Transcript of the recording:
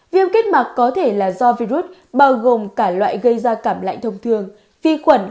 viêm kết mặt có thể là do virus bao gồm cả loại gây ra cảm lạnh thông thường vi khuẩn